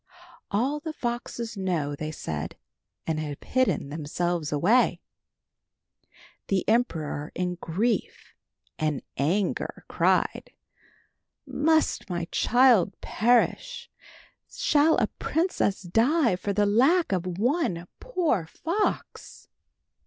"All the foxes know," they said, "and have hidden themselves away." The emperor in grief and anger cried, "Must my child perish? Shall a princess die for the lack of one poor fox?